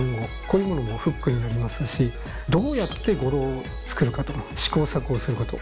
こういうものもフックになりますしどうやって語呂を作るかと試行錯誤すること。